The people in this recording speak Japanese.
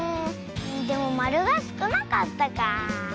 でもまるがすくなかったかあ。